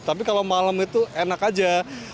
tapi kalau malam itu enak aja